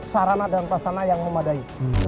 sarana dan prasana yang memadai